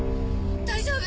⁉大丈夫？